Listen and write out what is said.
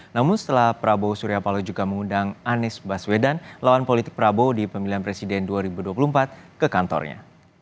namun setelah prabowo surya paloh juga mengundang anies baswedan lawan politik prabowo di pemilihan presiden dua ribu dua puluh empat ke kantornya